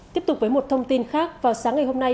tiếp tục với một thông tin khác vào sáng ngày hôm nay